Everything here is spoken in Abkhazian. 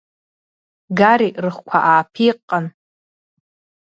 Гари рыхқәа ааԥиҟҟан…